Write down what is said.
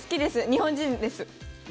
日本人です。